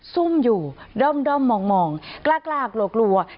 ซุ่มอยู่ด้อมมองกล้ากลัวกลัว